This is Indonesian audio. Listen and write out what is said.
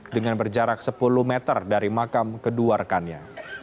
dengan berjarak sepuluh meter dari makam keduarkannya